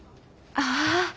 ああ。